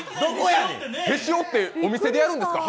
へし折ってお店でやるんですか？